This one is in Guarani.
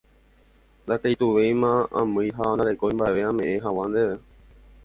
Ndaikatuvéima amýi ha ndarekói mba'eve ame'ẽ hag̃ua ndéve